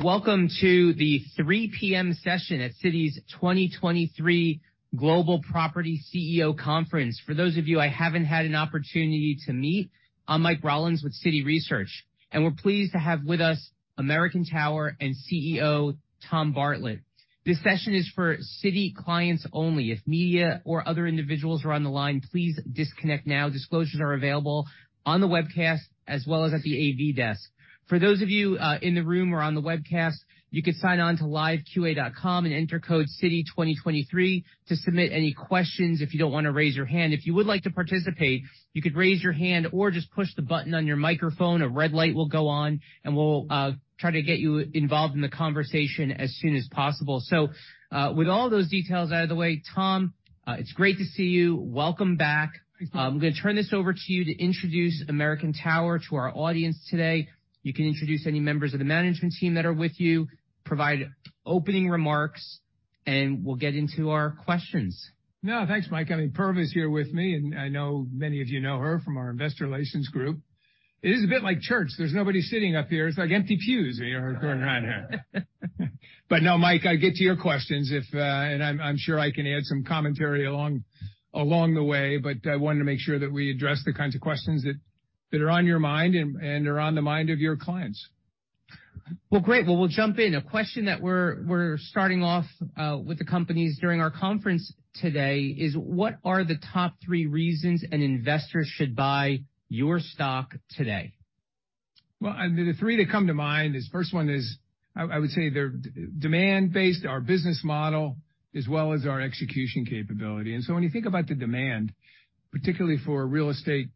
Welcome to the 3:00 P.M. session at Citi's 2023 Global Property CEO Conference. For those of you I haven't had an opportunity to meet, I'm Mike Rollins with Citi Research, and we're pleased to have with us American Tower and CEO Tom Bartlett. This session is for Citi clients only. If media or other individuals are on the line, please disconnect now. Disclosures are available on the webcast as well as at the AV desk. For those of you in the room or on the webcast, you could sign on to liveqa.com and enter code Citi 2023 to submit any questions if you don't wanna raise your hand. If you would like to participate, you could raise your hand or just push the button on your microphone. A red light will go on, and we'll, try to get you involved in the conversation as soon as possible. With all those details out of the way, Tom, it's great to see you. Welcome back. Thanks, Mike. I'm gonna turn this over to you to introduce American Tower to our audience today. You can introduce any members of the management team that are with you, provide opening remarks, and we'll get into our questions. No, thanks, Mike. I mean, Parva is here with me, and I know many of you know her from our investor relations group. It is a bit like church. There's nobody sitting up here. It's like empty pews here going on here. No, Mike, I'll get to your questions if, and I'm sure I can add some commentary along the way, but I wanted to make sure that we address the kinds of questions that are on your mind and are on the mind of your clients. Great. We'll jump in. A question that we're starting off with the companies during our conference today is, what are the top three reasons an investor should buy your stock today? Well, the three that come to mind is first one is I would say they're demand based, our business model, as well as our execution capability. When you think about the demand, particularly for real estate,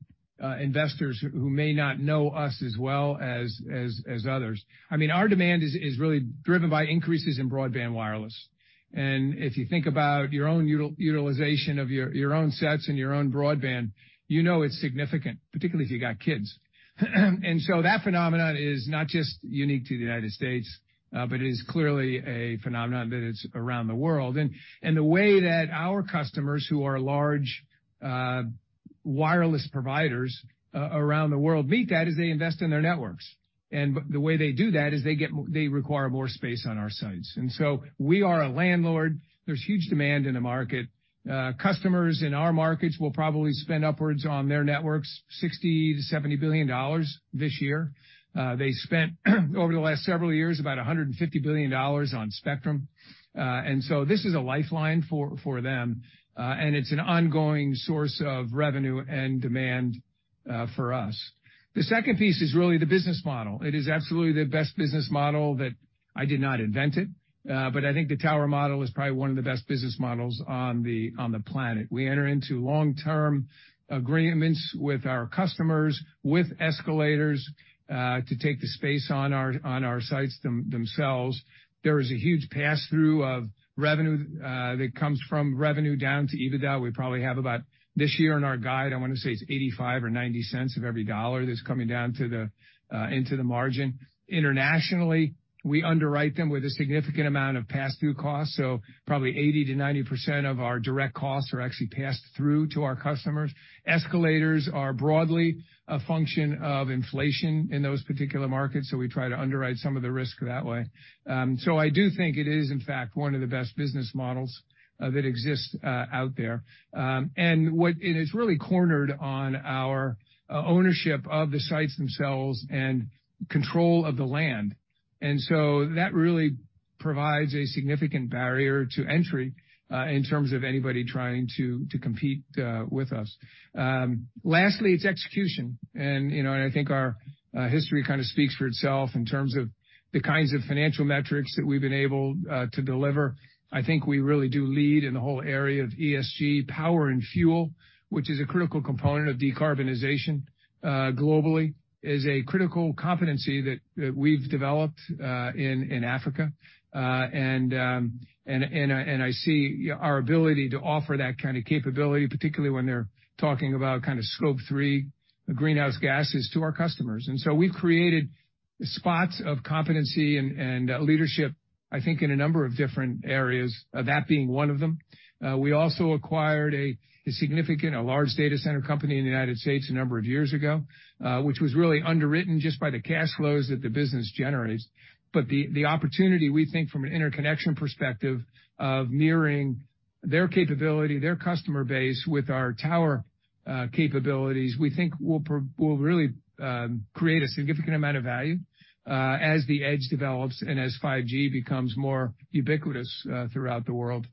investors who may not know us as well as others, I mean, our demand is really driven by increases in broadband wireless. And if you think about your own utilization of your own sets and your own broadband, you know it's significant, particularly if you got kids. That phenomenon is not just unique to the United States, but it is clearly a phenomenon that is around the world. And the way that our customers, who are large, wireless providers around the world meet that is they invest in their networks. The way they do that is they require more space on our sites. We are a landlord. There's huge demand in the market. Customers in our markets will probably spend upwards on their networks $60 billion-$70 billion this year. They spent over the last several years about $150 billion on spectrum. This is a lifeline for them, and it's an ongoing source of revenue and demand for us. The second piece is really the business model. It is absolutely the best business model that I did not invent it, but I think the tower model is probably one of the best business models on the planet. We enter into long-term agreements with our customers, with escalators, to take the space on our sites themselves. There is a huge passthrough of revenue that comes from revenue down to EBITDA. We probably have about, this year in our guide, I wanna say it's $0.85 or $0.90 of every dollar that's coming down to the into the margin. Internationally, we underwrite them with a significant amount of passthrough costs, so probably 80%-90% of our direct costs are actually passed through to our customers. Escalators are broadly a function of inflation in those particular markets, so we try to underwrite some of the risk that way. I do think it is in fact one of the best business models that exists out there. It's really cornered on our ownership of the sites themselves and control of the land. That really provides a significant barrier to entry in terms of anybody trying to compete with us. Lastly, it's execution. You know, I think our history kind of speaks for itself in terms of the kinds of financial metrics that we've been able to deliver. I think we really do lead in the whole area of ESG power and fuel, which is a critical component of decarbonization globally, is a critical competency that we've developed in Africa. And I see our ability to offer that kind of capability, particularly when they're talking about kind of Scope 3 greenhouse gases to our customers. We've created spots of competency and leadership, I think, in a number of different areas, that being one of them. We also acquired a significant, a large data center company in the United States a number of years ago, which was really underwritten just by the cash flows that the business generates. The opportunity, we think, from an interconnection perspective of mirroring their capability, their customer base with our tower capabilities, we think will really create a significant amount of value as the edge develops and as 5G becomes more ubiquitous throughout the world.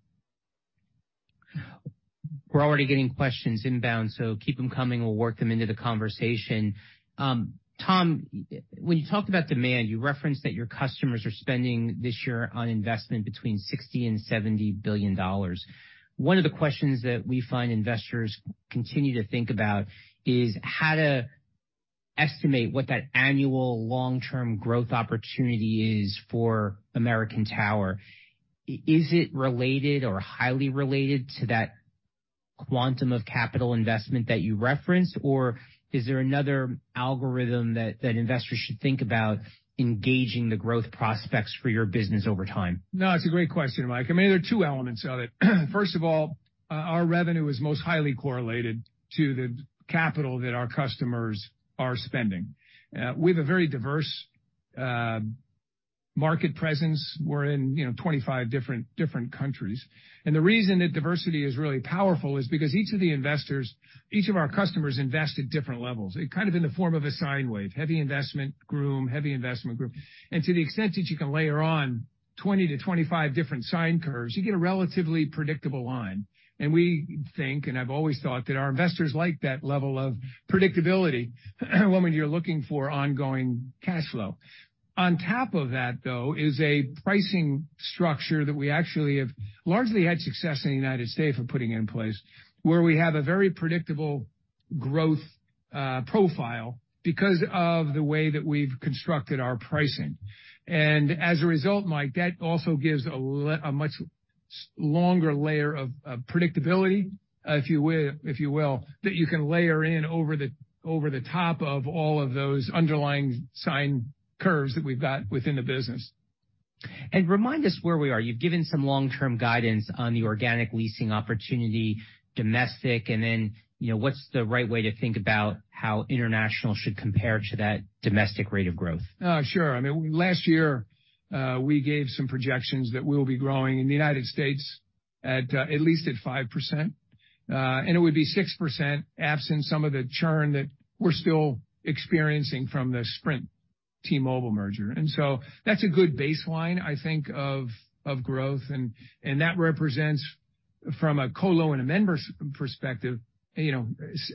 We're already getting questions inbound. Keep them coming. We'll work them into the conversation. Tom, when you talked about demand, you referenced that your customers are spending this year on investment between $60 billion and $70 billion. One of the questions that we find investors continue to think about is how to estimate what that annual long-term growth opportunity is for American Tower. Is it related or highly related to that quantum of capital investment that you referenced? Is there another algorithm that investors should think about engaging the growth prospects for your business over time? No, it's a great question, Mike. I mean, there are two elements of it. First of all, our revenue is most highly correlated to the capital that our customers are spending. We have a very diverse market presence, we're in, you know, 25 different countries. The reason that diversity is really powerful is because each of the investors, each of our customers invest at different levels. It kind of in the form of a sine wave, heavy investment, heavy investment. To the extent that you can layer on 20-25 different sine curves, you get a relatively predictable line. We think, and I've always thought, that our investors like that level of predictability when you're looking for ongoing cash flow. On top of that, though, is a pricing structure that we actually have largely had success in the United States of putting in place, where we have a very predictable growth profile because of the way that we've constructed our pricing. As a result, Mike, that also gives a much longer layer of predictability, if you will, that you can layer in over the top of all of those underlying sine curves that we've got within the business. Remind us where we are? You've given some long-term guidance on the organic leasing opportunity, domestic, and then, you know, what's the right way to think about how international should compare to that domestic rate of growth? Sure. I mean, last year, we gave some projections that we'll be growing in the United States at least at 5%, and it would be 6% absent some of the churn that we're still experiencing from the Sprint T-Mobile merger. That's a good baseline, I think, of growth, and that represents, from a colo and amendments perspective, you know,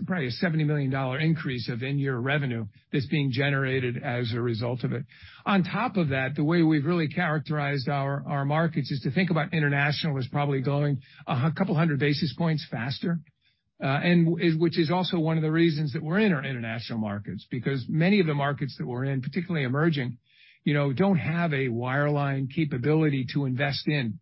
probably a $70 million increase of in-year revenue that's being generated as a result of it. On top of that, the way we've really characterized our markets is to think about international as probably going a couple 100 basis points faster, and which is also one of the reasons that we're in our international markets. Many of the markets that we're in, particularly emerging, you know, don't have a wireline capability to invest in.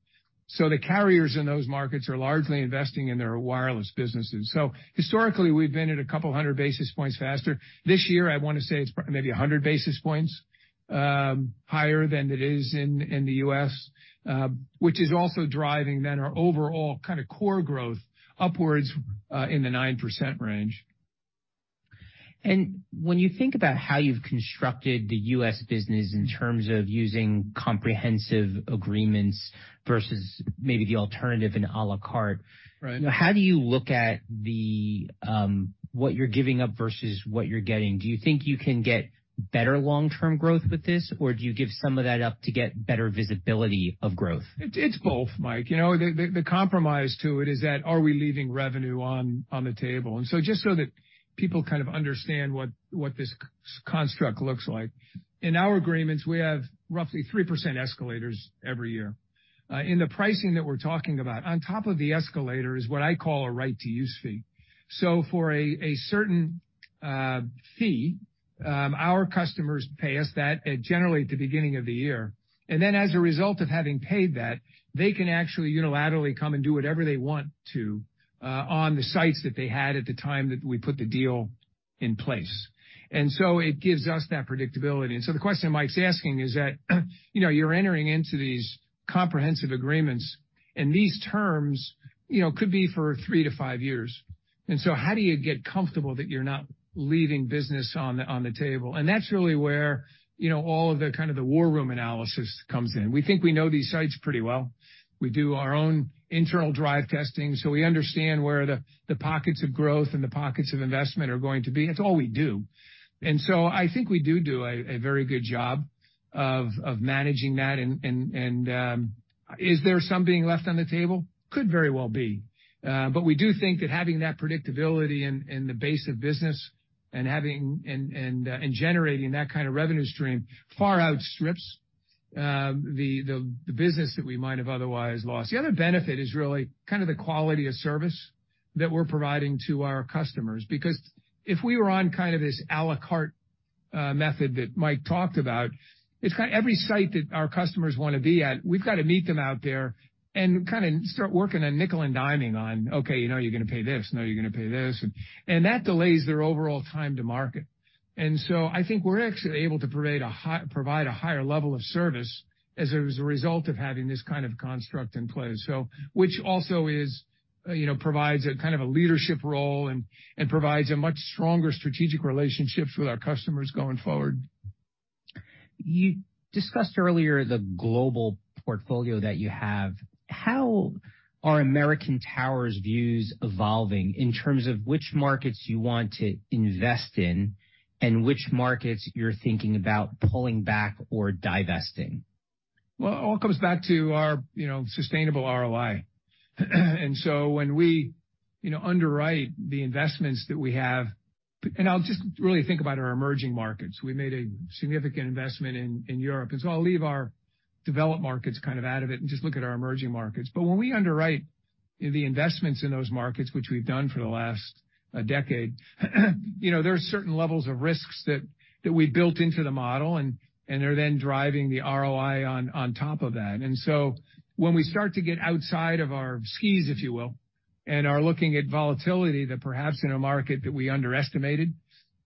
The carriers in those markets are largely investing in their wireless businesses. Historically, we've been at a 200 basis points faster. This year, I wanna say it's maybe 100 basis points higher than it is in the U.S., which is also driving then our overall kinda core growth upwards in the 9% range. When you think about how you've constructed the U.S. business in terms of using comprehensive agreements vs maybe the alternative in a la carte. Right. How do you look at the, what you're giving up vs what you're getting? Do you think you can get better long-term growth with this, or do you give some of that up to get better visibility of growth? It's both, Mike. You know, the compromise to it is that are we leaving revenue on the table? Just so that people kind of understand what this construct looks like, in our agreements, we have roughly 3% escalators every year. In the pricing that we're talking about, on top of the escalator is what I call a right-to-use fee. For a certain fee, our customers pay us that at generally at the beginning of the year. As a result of having paid that, they can actually unilaterally come and do whatever they want to on the sites that they had at the time that we put the deal in place. It gives us that predictability. The question Mike's asking is that, you know, you're entering into these comprehensive agreements, and these terms, you know, could be for three to five years. How do you get comfortable that you're not leaving business on the, on the table? That's really where, you know, all of the kind of the war room analysis comes in. We think we know these sites pretty well. We do our own internal drive testing, so we understand where the pockets of growth and the pockets of investment are going to be. That's all we do. I think we do a very good job of managing that, is there some being left on the table? Could very well be. We do think that having that predictability in the base of business and having and generating that kind of revenue stream far outstrips the business that we might have otherwise lost. The other benefit is really kind of the quality of service that we're providing to our customers. If we were on kind of this a la carte method that Mike talked about, every site that our customers wanna be at, we've got to meet them out there and kinda start working on nickel and diming on, "Okay, you know, you're gonna pay this. No, you're gonna pay this." I think we're actually able to provide a higher level of service as a, as a result of having this kind of construct in place. Which also is, you know, provides a kind of a leadership role and provides a much stronger strategic relationships with our customers going forward. You discussed earlier the global portfolio that you have. How are American Towers views evolving in terms of which markets you want to invest in and which markets you're thinking about pulling back or divesting? Well, it all comes back to our, you know, sustainable ROI. When we, you know, underwrite the investments that we have. I'll just really think about our emerging markets. We made a significant investment in Europe, and so I'll leave our developed markets kind of out of it and just look at our emerging markets. When we underwrite the investments in those markets, which we've done for the last decade, you know, there are certain levels of risks that we built into the model, and they're then driving the ROI on top of that. When we start to get outside of our skis, if you will, and are looking at volatility that perhaps in a market that we underestimated,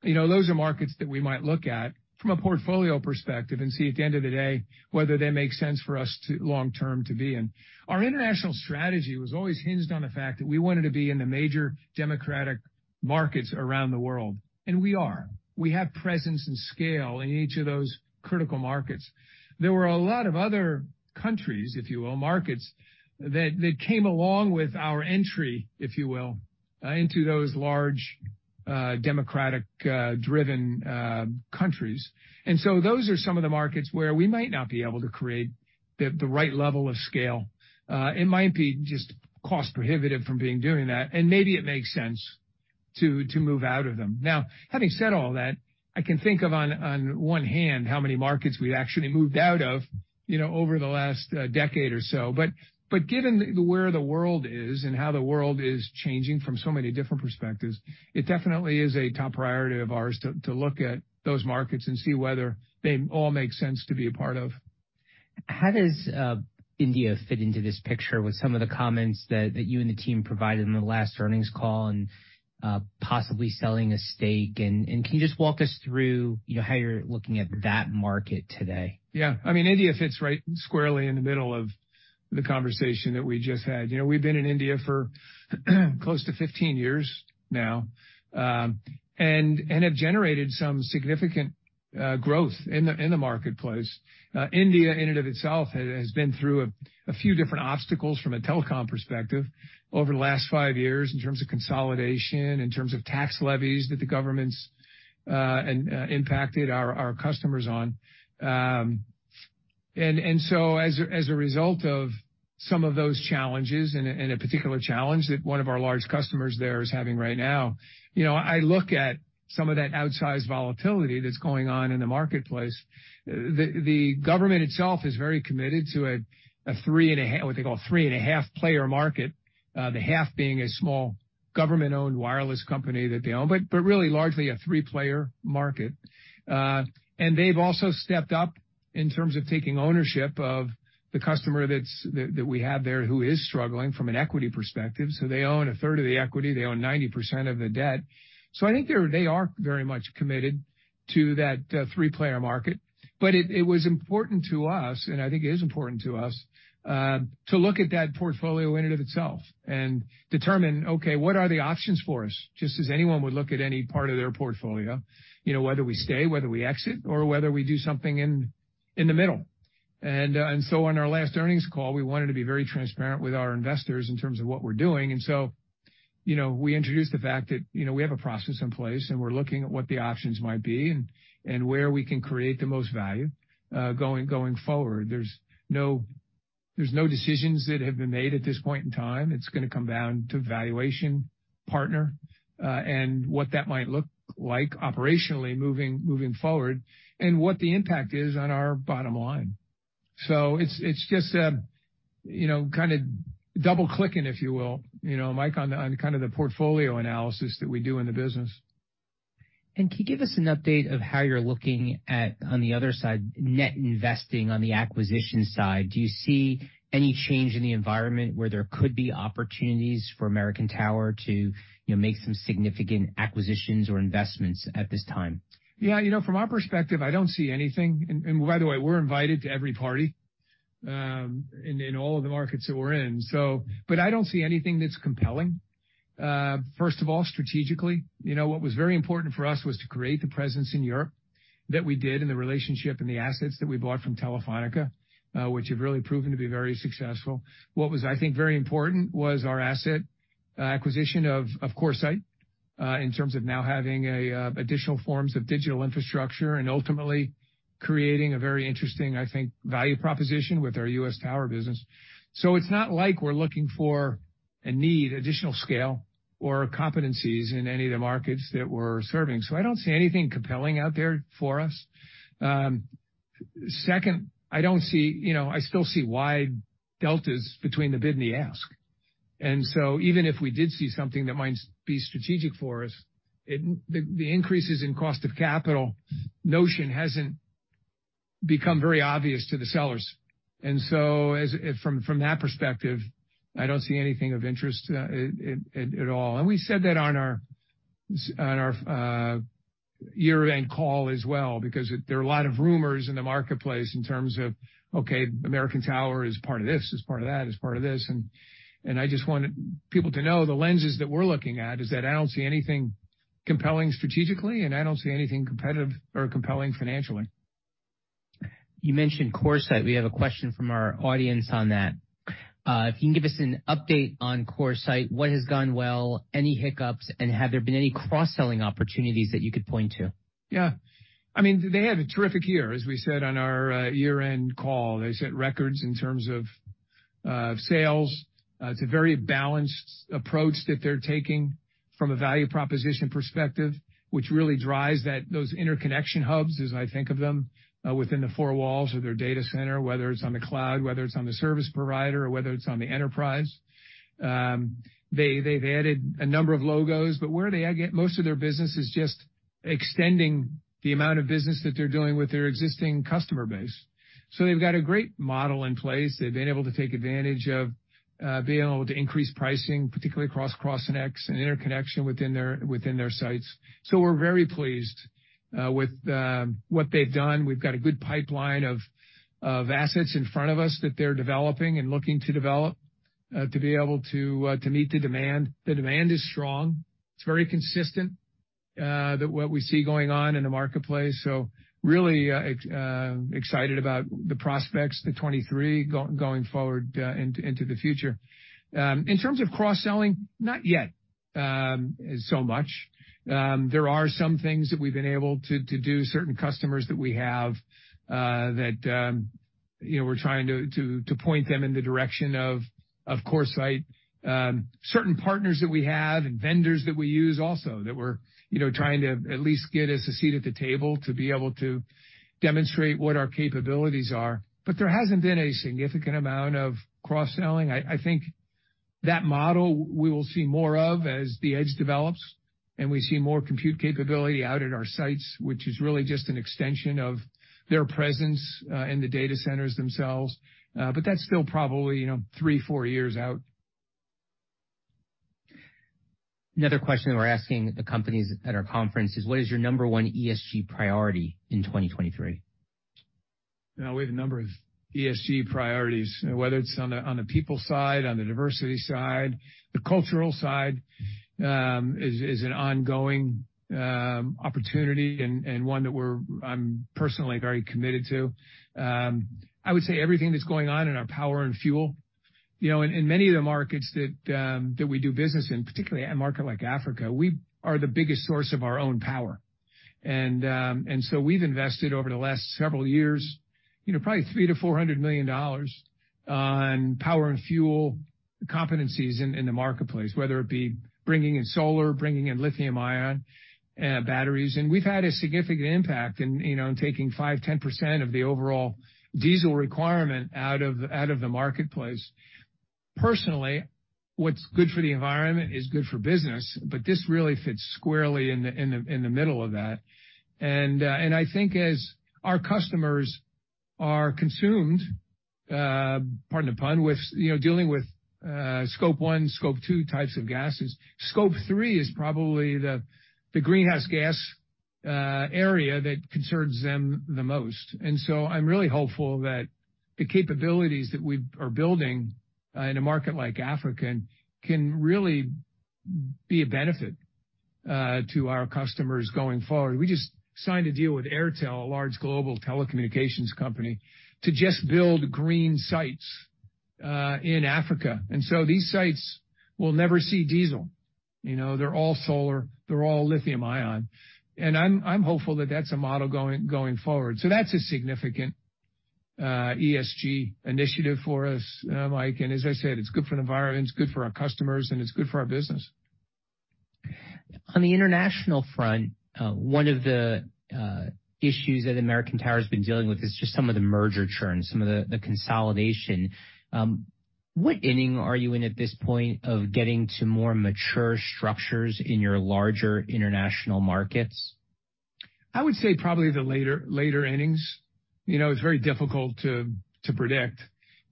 you know, those are markets that we might look at from a portfolio perspective and see at the end of the day, whether they make sense for us to long term to be in. Our international strategy was always hinged on the fact that we wanted to be in the major democratic markets around the world, and we are. We have presence and scale in each of those critical markets. There were a lot of other countries, if you will, markets that came along with our entry, if you will, into those large, democratic, driven, countries. Those are some of the markets where we might not be able to create the right level of scale. It might be just cost prohibitive from doing that, maybe it makes sense to move out of them. Now, having said all that, I can think of on one hand how many markets we actually moved out of, you know, over the last decade or so. Given where the world is and how the world is changing from so many different perspectives, it definitely is a top priority of ours to look at those markets and see whether they all make sense to be a part of. How does India fit into this picture with some of the comments that you and the team provided in the last earnings call and possibly selling a stake? Can you just walk us through, you know, how you're looking at that market today? Yeah. I mean, India fits right squarely in the middle of the conversation that we just had. You know, we've been in India for close to 15 years now, and have generated some significant growth in the marketplace. India in and of itself has been through a few different obstacles from a telecom perspective over the last five years in terms of consolidation, in terms of tax levies that the government's impacted our customers on. As a result of some of those challenges and a particular challenge that one of our large customers there is having right now, you know, I look at some of that outsized volatility that's going on in the marketplace. The government itself is very committed to a three and a half-- what they call a three and a half player market, the half being a small government-owned wireless company that they own, but really largely a three-player market. They've also stepped up in terms of taking ownership of the customer that we have there who is struggling from an equity perspective. They own a third of the equity. They own 90% of the debt. I think they are very much committed to that three-player market. It was important to us, and I think it is important to us, to look at that portfolio in and of itself and determine, okay, what are the options for us, just as anyone would look at any part of their portfolio, you know, whether we stay, whether we exit, or whether we do something in the middle. On our last earnings call, we wanted to be very transparent with our investors in terms of what we're doing. You know, we introduced the fact that, you know, we have a process in place, and we're looking at what the options might be and where we can create the most value going forward. There's no decisions that have been made at this point in time. It's gonna come down to valuation partner, and what that might look like operationally moving forward and what the impact is on our bottom line. It's, it's just, you know, kinda double-clicking, if you will, you know, Mike, on kinda the portfolio analysis that we do in the business. Can you give us an update of how you're looking at, on the other side, net investing on the acquisition side? Do you see any change in the environment where there could be opportunities for American Tower to, you know, make some significant acquisitions or investments at this time? Yeah. You know, from our perspective, I don't see anything. By the way, we're invited to every party in all of the markets that we're in. I don't see anything that's compelling. First of all, strategically, you know, what was very important for us was to create the presence in Europe that we did and the relationship and the assets that we bought from Telefónica, which have really proven to be very successful. What was, I think, very important was our asset acquisition of CoreSite in terms of now having additional forms of digital infrastructure and ultimately creating a very interesting, I think, value proposition with our U.S. Tower business. It's not like we're looking for and need additional scale or competencies in any of the markets that we're serving. I don't see anything compelling out there for us. Second, I don't see, you know, I still see wide deltas between the bid and the ask. Even if we did see something that might be strategic for us, the increases in cost of capital notion hasn't become very obvious to the sellers. From that perspective, I don't see anything of interest at all. We said that on our year-end call as well, because there are a lot of rumors in the marketplace in terms of, okay, American Tower is part of this, is part of that, is part of this. I just wanted people to know the lenses that we're looking at is that I don't see anything compelling strategically, and I don't see anything competitive or compelling financially. You mentioned CoreSite. We have a question from our audience on that. If you can give us an update on CoreSite, what has gone well, any hiccups, and have there been any cross-selling opportunities that you could point to? Yeah. I mean, they had a terrific year, as we said on our year-end call. They set records in terms of sales. It's a very balanced approach that they're taking from a value proposition perspective, which really drives those interconnection hubs, as I think of them, within the four walls of their data center, whether it's on the cloud, whether it's on the service provider, or whether it's on the enterprise. They've added a number of logos, but where they get most of their business is just extending the amount of business that they're doing with their existing customer base. They've got a great model in place. They've been able to take advantage of being able to increase pricing, particularly across CoreSite and interconnection within their sites. We're very pleased with what they've done. We've got a good pipeline of assets in front of us that they're developing and looking to develop. To be able to meet the demand. The demand is strong. It's very consistent, that what we see going on in the marketplace. Really excited about the prospects to 2023 going forward, into the future. In terms of cross-selling, not yet, so much. There are some things that we've been able to do, certain customers that we have, that, you know, we're trying to point them in the direction of CoreSite. Certain partners that we have and vendors that we use also that we're, you know, trying to at least get us a seat at the table to be able to demonstrate what our capabilities are. There hasn't been a significant amount of cross-selling. I think that model we will see more of as the edge develops and we see more compute capability out at our sites, which is really just an extension of their presence in the data centers themselves. That's still probably, you know, three, four years out. Another question we're asking the companies at our conference is what is your number one ESG priority in 2023? You know, we have a number of ESG priorities, whether it's on the people side, on the diversity side. The cultural side is an ongoing opportunity and one that I'm personally very committed to. I would say everything that's going on in our power and fuel. You know, in many of the markets that we do business in, particularly a market like Africa, we are the biggest source of our own power. So we've invested over the last several years, you know, probably $300 million-$400 million on power and fuel competencies in the marketplace, whether it be bringing in solar, bringing in lithium-ion batteries. We've had a significant impact in, you know, in taking 5%-10% of the overall diesel requirement out of the marketplace. Personally, what's good for the environment is good for business, but this really fits squarely in the, in the, in the middle of that. I think as our customers are consumed, pardon the pun, with, you know, dealing with, Scope 1, Scope 2 types of gases. Scope 3 is probably the greenhouse gas area that concerns them the most. I'm really hopeful that the capabilities that we are building in a market like Africa can really be a benefit to our customers going forward. We just signed a deal with Airtel, a large global telecommunications company, to just build green sites in Africa. These sites will never see diesel. You know, they're all solar, they're all lithium-ion. I'm hopeful that that's a model going forward. That's a significant ESG initiative for us, Mike. As I said, it's good for the environment, it's good for our customers, and it's good for our business. On the international front, one of the issues that American Tower has been dealing with is just some of the merger churn, some of the consolidation. What inning are you in at this point of getting to more mature structures in your larger international markets? I would say probably the later innings. You know, it's very difficult to predict.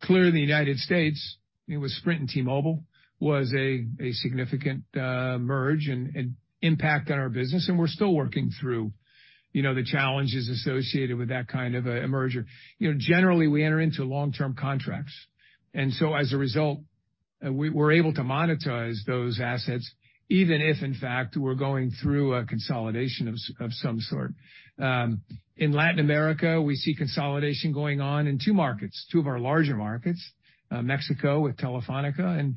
Clearly, the United States, it was Sprint and T-Mobile was a significant merge and impact on our business, and we're still working through, you know, the challenges associated with that kind of a merger. You know, generally, we enter into long-term contracts. As a result, we're able to monetize those assets even if, in fact, we're going through a consolidation of some sort. In Latin America, we see consolidation going on in two markets, two of our larger markets, Mexico with Telefónica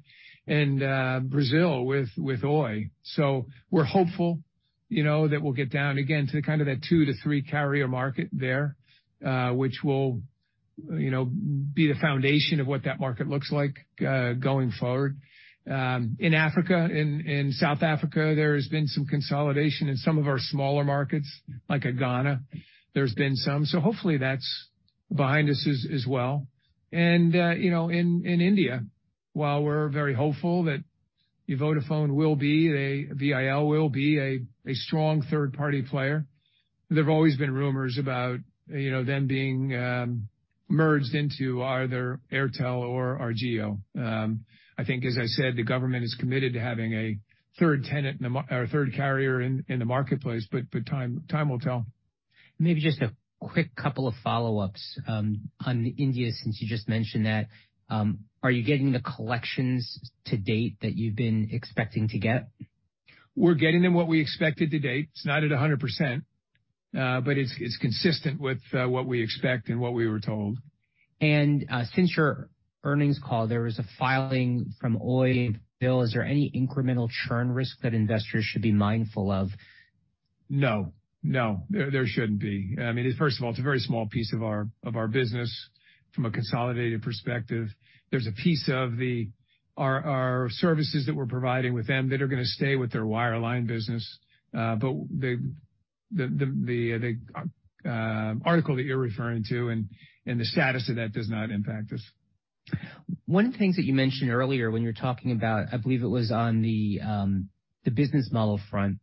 and Brazil with Oi. We're hopeful, you know, that we'll get down again to kind of that two to three carrier market there, which will, you know, be the foundation of what that market looks like going forward. In Africa, in South Africa, there has been some consolidation in some of our smaller markets, like Ghana. There's been some. Hopefully, that's behind us as well. You know, in India, while we're very hopeful that Vodafone will be VIL will be a strong third-party player, there have always been rumors about, you know, them being merged into either Airtel or Jio. I think as I said, the government is committed to having a third tenant or a third carrier in the marketplace, but time will tell. Maybe just a quick couple of follow-ups, on India, since you just mentioned that. Are you getting the collections to date that you've been expecting to get? We're getting them what we expected to date. It's not at 100%, but it's consistent with what we expect and what we were told. Since your earnings call, there was a filing from Oi. Is there any incremental churn risk that investors should be mindful of? No, there shouldn't be. I mean, first of all, it's a very small piece of our business from a consolidated perspective. There's a piece of our services that we're providing with them that are gonna stay with their wireline business. The article that you're referring to and the status of that does not impact us. One of the things that you mentioned earlier when you're talking about, I believe it was on the business model front,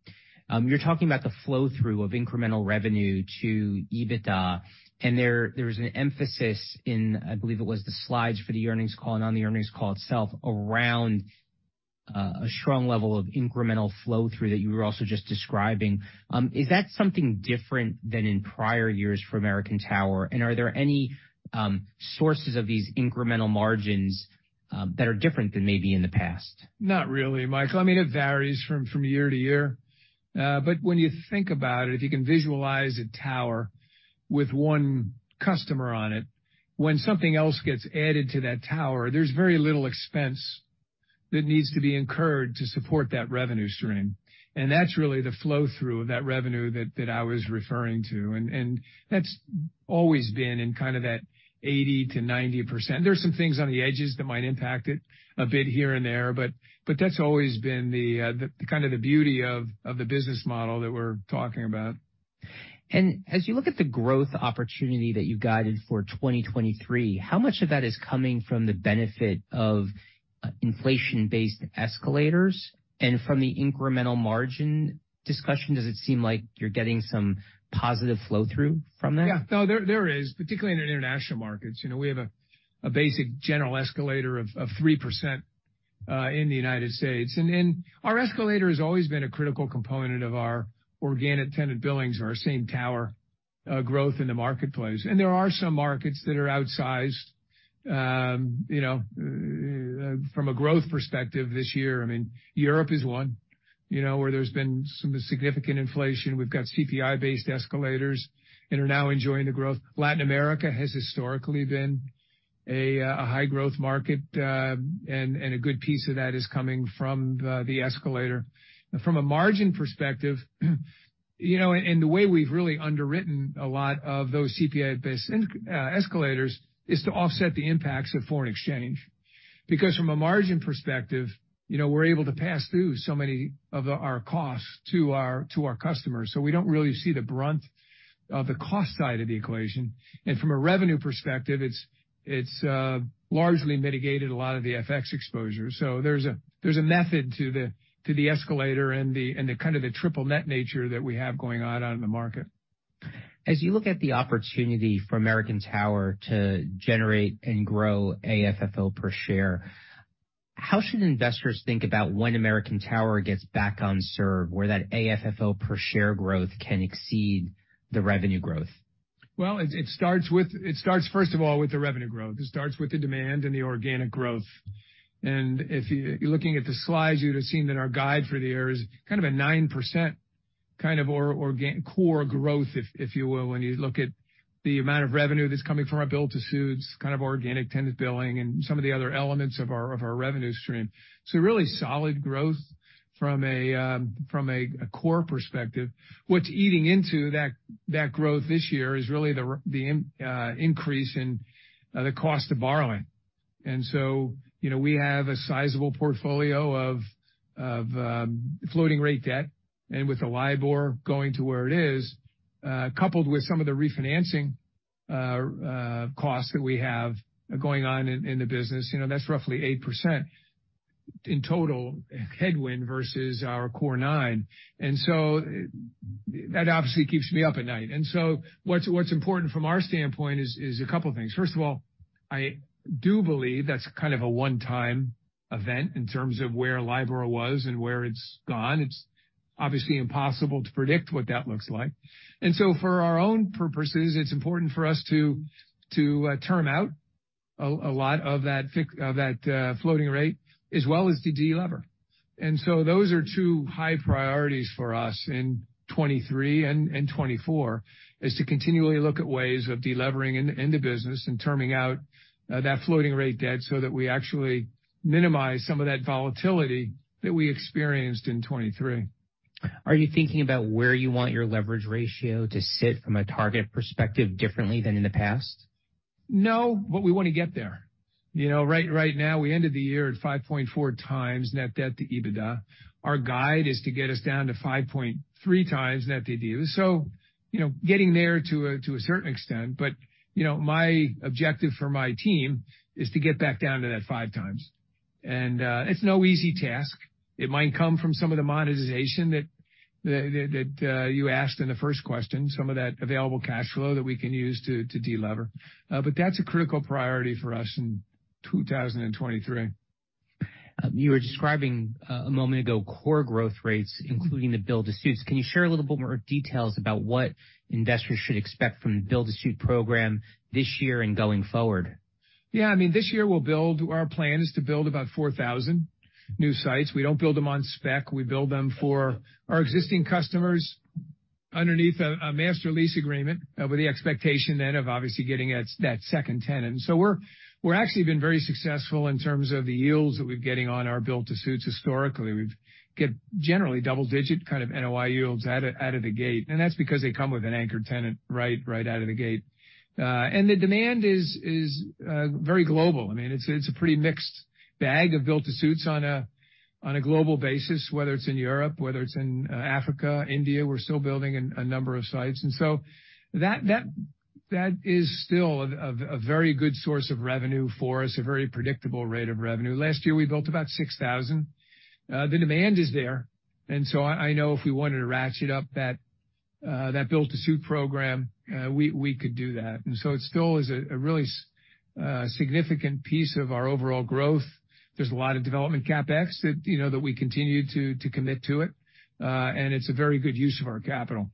you're talking about the flow through of incremental revenue to EBITDA. There, there was an emphasis in, I believe it was the slides for the earnings call and on the earnings call itself around a strong level of incremental flow through that you were also just describing. Is that something different than in prior years for American Tower? Are there any sources of these incremental margins that are different than maybe in the past? Not really, Michael. I mean, it varies from year to year. When you think about it, if you can visualize a tower with one customer on it, when something else gets added to that tower, there's very little expense that needs to be incurred to support that revenue stream. That's really the flow through of that revenue that I was referring to. That's always been in kind of that 80%-90%. There are some things on the edges that might impact it a bit here and there, but that's always been the kind of the beauty of the business model that we're talking about. As you look at the growth opportunity that you've guided for 2023, how much of that is coming from the benefit of inflation-based escalators? From the incremental margin discussion, does it seem like you're getting some positive flow through from that? No, there is, particularly in international markets. You know, we have a basic general escalator of 3% in the United States. Our escalator has always been a critical component of our Organic Tenant Billings or our same tower growth in the marketplace. There are some markets that are outsized, you know, from a growth perspective this year. I mean, Europe is one, you know, where there's been some significant inflation. We've got CPI-based escalators and are now enjoying the growth. Latin America has historically been a high-growth market, and a good piece of that is coming from the escalator. From a margin perspective, you know, and the way we've really underwritten a lot of those CPI-based escalators is to offset the impacts of foreign exchange. From a margin perspective, you know, we're able to pass through so many of our costs to our, to our customers. We don't really see the brunt of the cost side of the equation. From a revenue perspective, it's largely mitigated a lot of the FX exposure. There's a, there's a method to the, to the escalator and the, and the kind of the triple net nature that we have going on out in the market. As you look at the opportunity for American Tower to generate and grow AFFO per share, how should investors think about when American Tower gets back on serve, where that AFFO per share growth can exceed the revenue growth? Well, it starts, first of all, with the revenue growth. It starts with the demand and the organic growth. If you're looking at the slides, you would've seen that our guide for the year is kind of a 9% kind of core growth, if you will, when you look at the amount of revenue that's coming from our build-to-suit, kind of Organic Tenant Billings, and some of the other elements of our revenue stream. Really solid growth from a core perspective. What's eating into that growth this year is really the increase in the cost of borrowing. You know, we have a sizable portfolio of floating rate debt. With the LIBOR going to where it is, coupled with some of the refinancing costs that we have going on in the business, you know, that's roughly 8% in total headwind vs our core 9%. That obviously keeps me up at night. What's important from our standpoint is a couple things. First of all, I do believe that's kind of a one-time event in terms of where LIBOR was and where it's gone. It's obviously impossible to predict what that looks like. For our own purposes, it's important for us to, term out a lot of that of that floating rate, as well as to de-lever. Those are two high priorities for us in 2023 and 2024, is to continually look at ways of de-levering in the business and terming out that floating rate debt so that we actually minimize some of that volatility that we experienced in 2023. Are you thinking about where you want your leverage ratio to sit from a target perspective differently than in the past? No. We wanna get there. You know, right now we ended the year at 5.4x net debt to EBITDA. Our guide is to get us down to 5.3x net to EBITDA. You know, getting there to a certain extent, but, you know, my objective for my team is to get back down to that 5x. It's no easy task. It might come from some of the monetization that you asked in the first question, some of that available cash flow that we can use to de-lever. That's a critical priority for us in 2023. You were describing a moment ago core growth rates, including the build-to-suits. Can you share a little bit more details about what investors should expect from the build-to-suit program this year and going forward? Yeah. I mean, this year our plan is to build about 4,000 new sites. We don't build them on spec. We build them for our existing customers underneath a master lease agreement, with the expectation then of obviously getting that second tenant. We're actually been very successful in terms of the yields that we're getting on our build-to-suits historically. We get generally double-digit kind of NOI yields out of the gate, and that's because they come with an anchored tenant, right out of the gate. The demand is very global. I mean, it's a pretty mixed bag of build-to-suits on a global basis, whether it's in Europe, whether it's in Africa, India, we're still building a number of sites. That is still a very good source of revenue for us, a very predictable rate of revenue. Last year, we built about 6,000. The demand is there. I know if we wanted to ratchet up that build-to-suit program, we could do that. It still is a really significant piece of our overall growth. There's a lot of development CapEx that, you know, that we continue to commit to it. It's a very good use of our capital.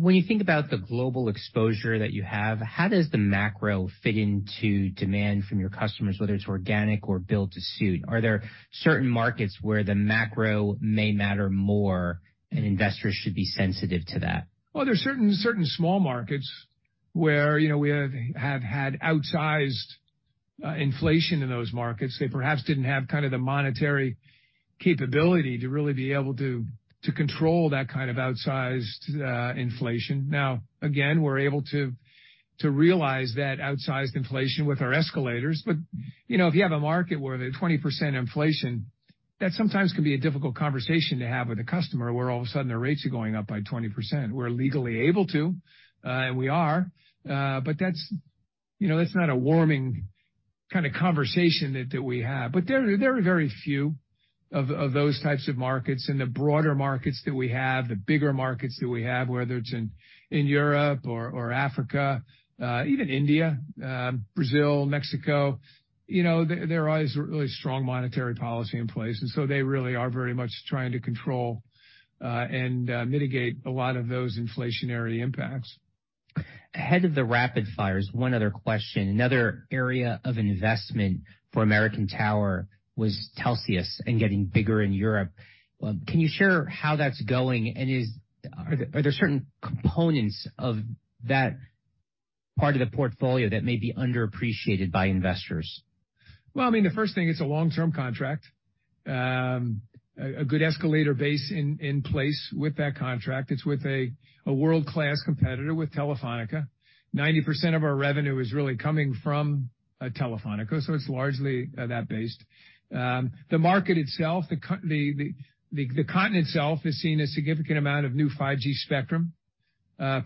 When you think about the global exposure that you have, how does the macro fit into demand from your customers, whether it's organic or build-to-suit? Are there certain markets where the macro may matter more and investors should be sensitive to that? There's certain small markets where, you know, we have had outsized inflation in those markets. They perhaps didn't have kind of the monetary capability to really be able to control that kind of outsized inflation. Now, again, we're able to realize that outsized inflation with our escalators. You know, if you have a market where they have 20% inflation, that sometimes can be a difficult conversation to have with a customer, where all of a sudden their rates are going up by 20%. We're legally able to, and we are. That's, you know, that's not a warming kind of conversation that we have. There, there are very few of those types of markets. In the broader markets that we have, the bigger markets that we have, whether it's in Europe or Africa, even India, Brazil, Mexico, you know, there is really strong monetary policy in place. They really are very much trying to control and mitigate a lot of those inflationary impacts. Ahead of the rapid fires, one other question. Another area of investment for American Tower was Telxius and getting bigger in Europe. Well, can you share how that's going? Are there certain components of that part of the portfolio that may be underappreciated by investors? Well, I mean, the first thing, it's a long-term contract. A good escalator base in place with that contract. It's with a world-class competitor, with Telefónica. 90% of our revenue is really coming from Telefónica, so it's largely that based. The market itself, the continent itself has seen a significant amount of new 5G spectrum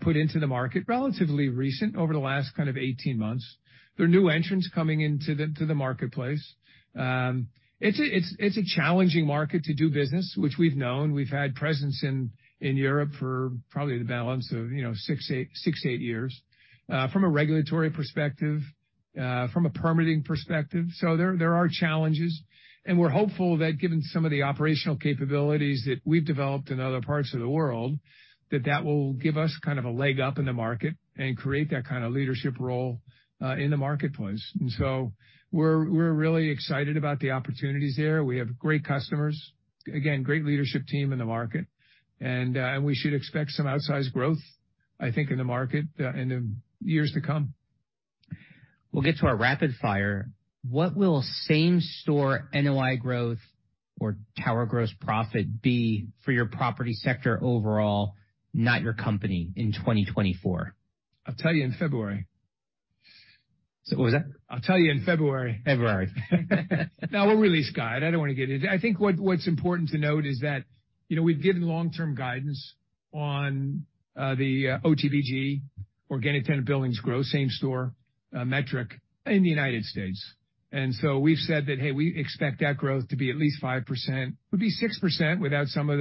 put into the market, relatively recent over the last kind of 18 months. There are new entrants coming into the marketplace. It's a challenging market to do business, which we've known. We've had presence in Europe for probably the balance of, you know, six to eight years from a regulatory perspective, from a permitting perspective. There are challenges. We're hopeful that given some of the operational capabilities that we've developed in other parts of the world, that that will give us kind of a leg up in the market and create that kind of leadership role in the marketplace. We're really excited about the opportunities there. We have great customers, again, great leadership team in the market. We should expect some outsized growth, I think, in the market in the years to come. We'll get to our rapid fire. What will same-store NOI growth or tower gross profit be for your Property sector overall, not your company, in 2024? I'll tell you in February. What was that? I'll tell you in February. February. No, we're really scarred. I don't wanna get into it. I think what's important to note is that, you know, we've given long-term guidance on the OTBG, Organic Tenant Billings Growth same-store metric in the United States. We've said that, hey, we expect that growth to be at least 5%. It would be 6% without some of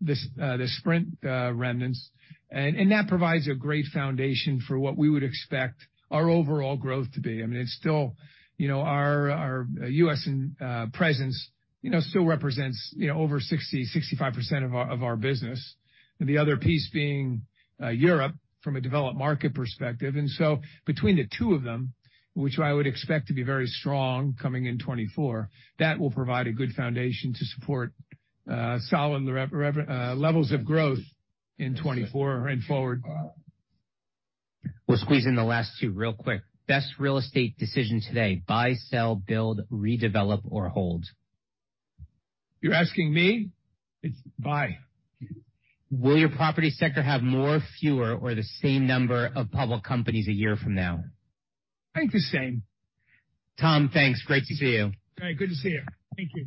the Sprint remnants. That provides a great foundation for what we would expect our overall growth to be. I mean, it's still, you know, our, U.S. presence, you know, still represents, you know, over 60%-65% of our, of our business. The other piece being Europe from a developed market perspective. Between the two of them, which I would expect to be very strong coming in 2024, that will provide a good foundation to support solid levels of growth in 2024 and forward. We'll squeeze in the last two real quick. Best real estate decision today, buy, sell, build, redevelop, or hold? You're asking me? It's buy. Will your Property sector have more, fewer, or the same number of public companies a year from now? I think the same. Tom, thanks. Great to see you. All right. Good to see you. Thank you.